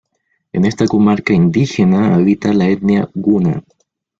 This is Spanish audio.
En esta comarca indígena habita la etnia guna.